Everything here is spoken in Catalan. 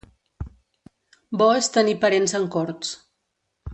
Bo és tenir parents en Corts.